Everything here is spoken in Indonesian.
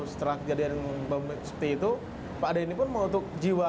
setelah kejadian seperti itu pak denny pun mau untuk jiwa